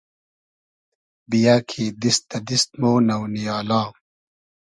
بییۂ کی دیست دۂ دیست مۉ نۆ نییالا